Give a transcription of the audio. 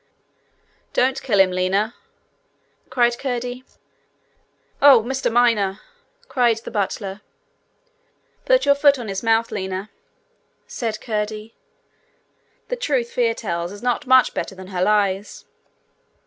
'Don't kill him, Lina,' said Curdie. 'Oh, Mr Miner!' cried the butler. 'Put your foot on his mouth, Lina,' said Curdie. 'The truth Fear tells is not much better than her lies.'